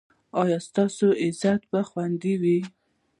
ایا ستاسو عزت به خوندي وي؟